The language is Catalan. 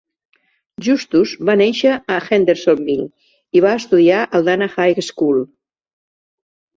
Justus va néixer a Hendersonville i va estudiar al Dana High School.